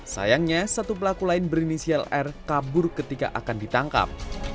sayangnya satu pelaku lain berinisial r kabur ketika akan ditangkap